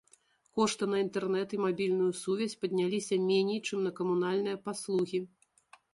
Кошты на інтэрнэт і мабільную сувязь падняліся меней, чым на камунальныя паслугі.